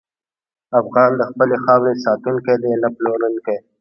افغان د خپلې خاورې ساتونکی دی، نه پلورونکی.